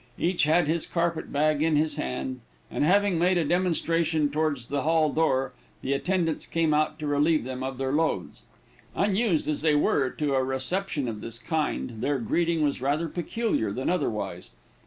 Each had his carpet bag in his hand, and having made a demonstration towards the hall door, the attendants came out to relieve them of their loads. Unused as they were to a reception of this kind, their greeting was rather peculiar than otherwise.